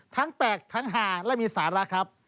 แปลกทั้งหาและมีสาระครับ